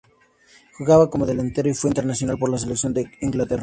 Jugaba como delantero y fue internacional por la selección de Inglaterra.